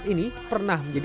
ini pernah menjadi